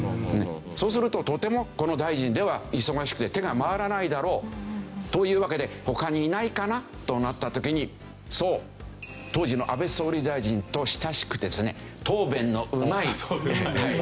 そうするととてもこの大臣では忙しくて手が回らないだろうというわけで他にいないかなとなった時にそう当時の安倍総理大臣と親しくてですね答弁のうまい。